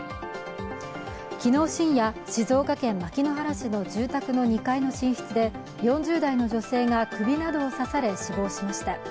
昨日深夜、静岡県牧之原市の住宅の２階の寝室で４０代の女性が首などを刺され死亡しました。